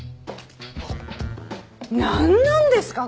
なんなんですか？